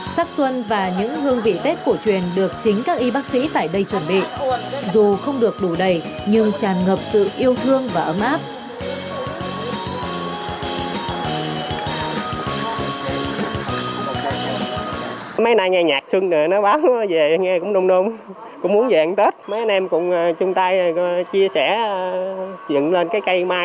sắc xuân và những hương vị tết cổ truyền được chính các y bác sĩ tại đây chuẩn bị